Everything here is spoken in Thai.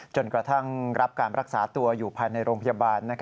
จนกระทั่งรับการรักษาตัวอยู่ภายในโรงพยาบาล